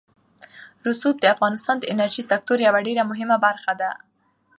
رسوب د افغانستان د انرژۍ سکتور یوه ډېره مهمه برخه ده.